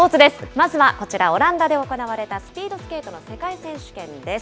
まずはこちら、オランダで行われたスピードスケートの世界選手権です。